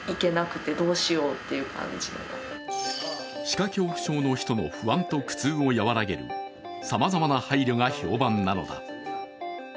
歯科恐怖症の人の不安と苦痛を和らげるさまざまな配慮が評判なのだ。